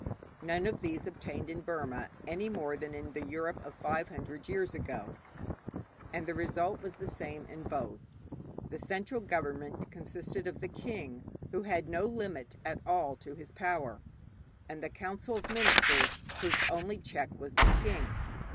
None of these obtained in Burma any more than in the Europe of five hundred years ago, and the result was the same in both. The central government consisted of the king, who had no limit at all to his power, and the council of ministers, whose only check was the king.